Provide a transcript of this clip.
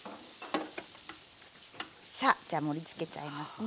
さあじゃ盛りつけちゃいますね。